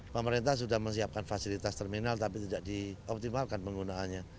pemerintah sudah menyiapkan fasilitas terminal tapi tidak dioptimalkan penggunaannya